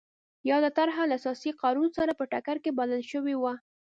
یاده طرحه له اساسي قانون سره په ټکر کې بلل شوې وه.